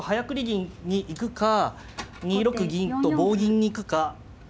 銀に行くか２六銀と棒銀に行くか